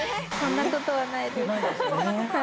そんなことはないです。